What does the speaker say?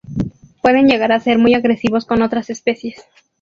Pueden llegar a ser muy agresivos con otras especies.